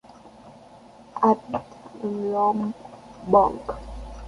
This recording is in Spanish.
Habita en Lombok.